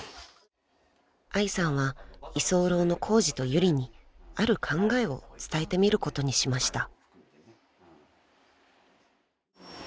［愛さんは居候のコウジとユリにある考えを伝えてみることにしました］